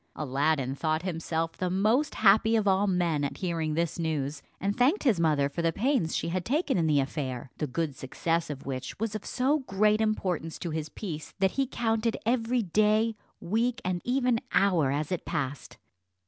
Aladdin thought himself the most happy of all men at hearing this news, and thanked his mother for the pains she had taken in the affair, the good success of which was of so great importance to his peace, that he counted every day, week, and even hour as it passed.